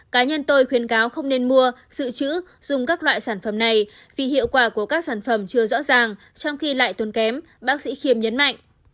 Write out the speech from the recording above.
cá nhân tôi khuyến cáo không nên mua dự trữ dùng các loại sản phẩm này vì hiệu quả của các sản phẩm chưa rõ ràng trong khi lại tuần kém bác sĩ khiềm nhấn mạnh